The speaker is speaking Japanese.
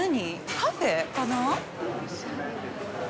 カフェかな？